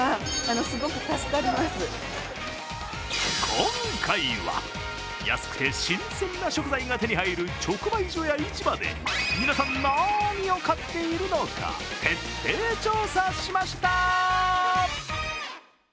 今回は、安くて新鮮な食材が手に入る直売所や市場で、皆さん何を買っているのか、徹底調査しました。